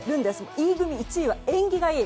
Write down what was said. Ｅ組１位は縁起がいい。